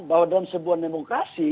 bahwa dalam sebuah demokrasi